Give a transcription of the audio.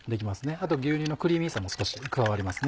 あと牛乳のクリーミーさも少し加わりますね。